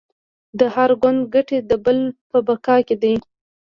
د هر ګوند ګټې د بل په بقا کې دي